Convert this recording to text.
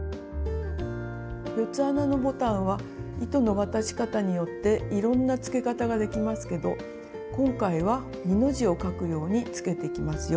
４つ穴のボタンは糸の渡し方によっていろんなつけ方ができますけど今回は二の字をかくようにつけていきますよ。